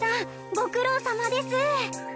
ご苦労さまです！